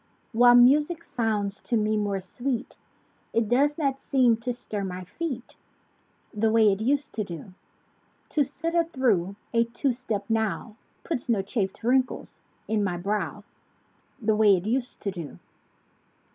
While music sounds to me more sweet. It does not seem to stir my feet The way it used to do. To sit a through a two step now Puts no chafed wrinkles in my brow The way it used to do.